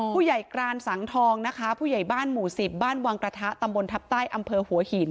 ผู้ใหญ่กรานสังทองนะคะผู้ใหญ่บ้านหมู่สิบบ้านวังกระทะตำบลทัพใต้อำเภอหัวหิน